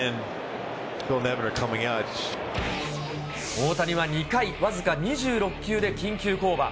大谷は２回、僅か２６球で緊急降板。